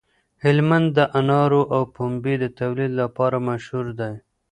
هلمند د انارو او پنبې د تولید لپاره مشهور دی.